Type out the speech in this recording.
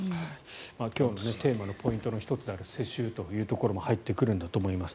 今日のテーマのポイントの１つである世襲というところも入ってくるんだと思います。